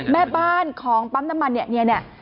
แม่บ้านของปั๊มน้ำมันเนี่ย